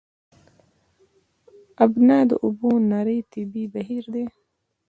ابنا د اوبو نری طبیعي بهیر دی.